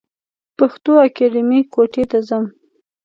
پښتو اکېډمۍ کوټي ته ځم.